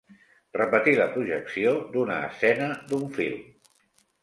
Repetir la projecció d'una escena d'un film.